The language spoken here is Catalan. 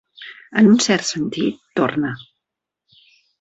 En un cert sentit, torna.